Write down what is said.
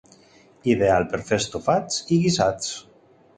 Ideal per fer estofats i guisats.